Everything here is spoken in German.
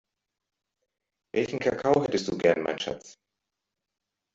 Welchen Kakao hättest du gern mein Schatz?